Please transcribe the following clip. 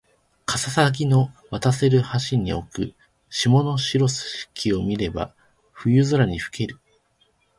かささぎの渡せる橋に置く霜の白きを見れば夜ぞふけにける